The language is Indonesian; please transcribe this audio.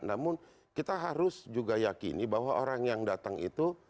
namun kita harus juga yakini bahwa orang yang datang itu